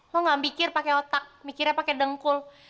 lo nggak mikir pakai otak mikirnya pakai dengkul